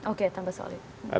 oke tambah solid